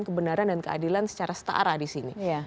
kebenaran dan keadilan secara setara di sini